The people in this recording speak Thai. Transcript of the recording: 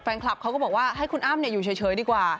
แฟนคลับเขาก็บอกว่าให้คุณอ้ำอยู่เฉยดีกว่า